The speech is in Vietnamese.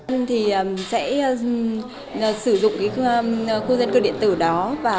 mình sẽ sử dụng khu dân cư điện tử đó